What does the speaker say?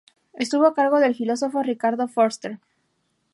Estuvo a cargo del filósofo Ricardo Forster.